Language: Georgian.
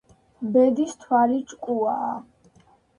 ბედის თვალი ჭკუაა.